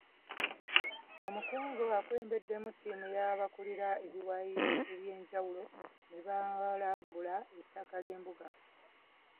Omukungu akulembeddemu ttiimu y’abakulira ebiwayi eby'enjawulo ne balambula ettaka ly'embuga.